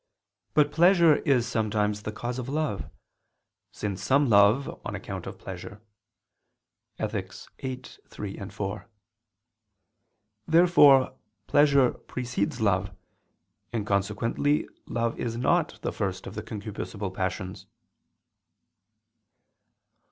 But pleasure is sometimes the cause of love: since some love on account of pleasure (Ethic. viii, 3, 4). Therefore pleasure precedes love; and consequently love is not the first of the concupiscible passions.